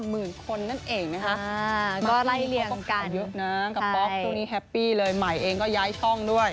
มากิราศรียอดฟอร์โลเวอร์ที่เขาข่าวเยอะน้ำกับป๊อกตรงนี้แฮปปี้เลยไหมเองก็ย้ายช่องด้วย